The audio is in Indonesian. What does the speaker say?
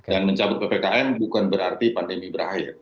dan mencabut ppkn bukan berarti pandemi berakhir